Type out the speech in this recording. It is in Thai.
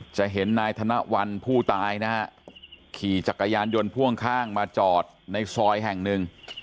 จะเห็นนายธนวัลผู้ตายนะฮะขี่จักรยานยนต์พ่วงข้างมาจอดในซอยแห่งหนึ่ง